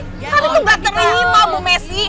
kami tuh gak terima bu messi